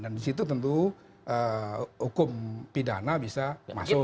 dan di situ tentu hukum pidana bisa masuk